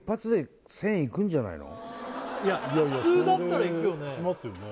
１０いや普通だったらいくよね